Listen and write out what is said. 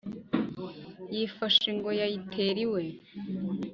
yifashe ingoyi ayi tera iwe